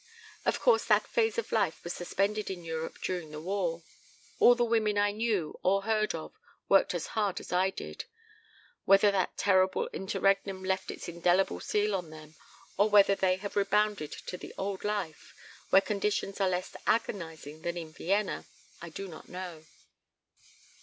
Of course that phase of life was suspended in Europe during the war. All the women I knew or heard of worked as hard as I did. Whether that terrible interregnum left its indelible seal on them, or whether they have rebounded to the old life, where conditions are less agonizing than in Vienna, I do not know."